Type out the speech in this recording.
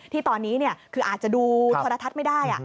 ที่ตอนนี้คืออาจจะดูโทรทัศน์ไม่ได้